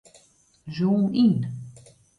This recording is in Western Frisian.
Zoom yn.